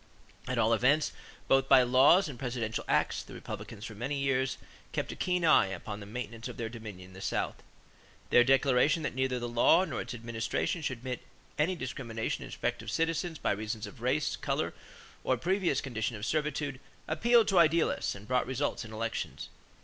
At all events, both by laws and presidential acts, the Republicans for many years kept a keen eye upon the maintenance of their dominion in the South. Their declaration that neither the law nor its administration should admit any discrimination in respect of citizens by reason of race, color, or previous condition of servitude appealed to idealists and brought results in elections.